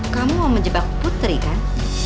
kamu mau menjebak putri kan